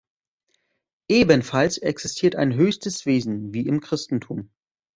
Ebenfalls existiert ein höchstes Wesen, wie im Christentum.